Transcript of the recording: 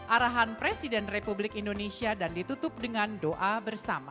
arahan presiden republik indonesia dan ditutup dengan doa bersama